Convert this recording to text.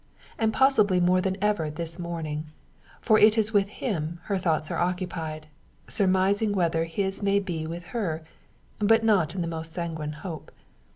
And possibly more than ever this morning; for it is with him her thoughts are occupied surmising whether his may be with her, but not in the most sanguine hope.